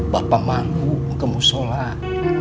bapak malu kamu sholat